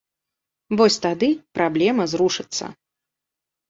Вось тады праблема зрушыцца.